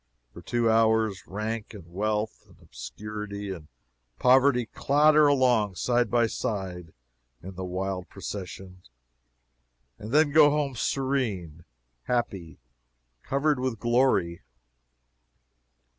For two hours rank and wealth, and obscurity and poverty clatter along side by side in the wild procession, and then go home serene, happy, covered with glory!